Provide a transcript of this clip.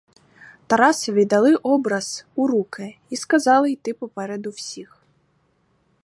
Тарасові дали образ у руки й сказали йти попереду всіх.